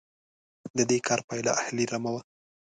د دې کار پایله اهلي رمه وه.